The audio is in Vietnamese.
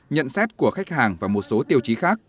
nhận xét của khách hàng và một số tiêu chí khác